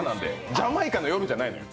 ジャマイカの夜じゃないのよ。